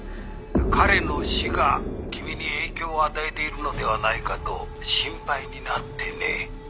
「彼の死が君に影響を与えているのではないかと心配になってね」